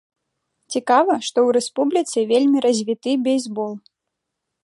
Цікава, што ў рэспубліцы вельмі развіты бейсбол.